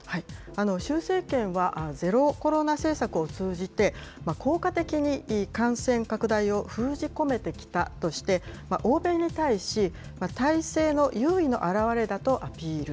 習政権はゼロコロナ政策を通じて、効果的に感染拡大を封じ込めてきたとして、欧米に対し、体制の優位の表れだとアピール。